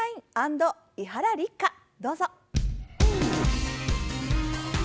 どうぞ！